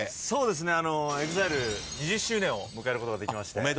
そうですねＥＸＩＬＥ２０周年を迎えることができまして。